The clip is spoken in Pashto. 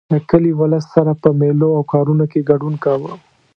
له کلي ولس سره په مېلو او کارونو کې ګډون کاوه.